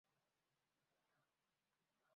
Ужам гын, шижам гын, — илат шыгырештын, —